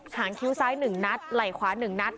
หางคิ้วซ้าย๑นัดไหล่ขวา๑นัด